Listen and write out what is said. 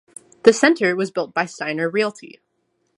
The center was built by Steiner Realty.